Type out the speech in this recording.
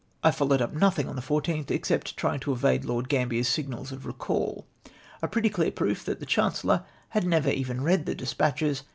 I followed np nothing on the 14tli, except trjdng to evade Lord Ganibier's signals of recall. A pretty clear proof that the Chancellor had never even read the despatclies.